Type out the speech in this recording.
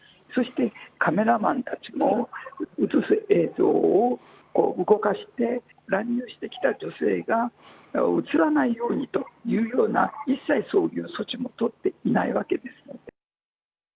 そして、カメラマンたちも写す映像を動かして、乱入してきた女性が写らないようにというような、一切そういう措置も取っていないわけですので。